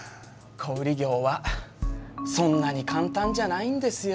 小売業はそんなに簡単じゃないんですよ。